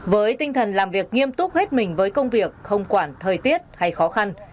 với tinh thần làm việc nghiêm túc hết mình với công việc không quản thời tiết hay khó khăn